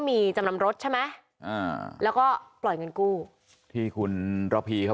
มีจำนำรถใช่ไหมอ่าแล้วก็ปล่อยเงินกู้ที่คุณระพีเขา